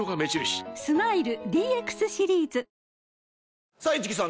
スマイル ＤＸ シリーズ！市來さん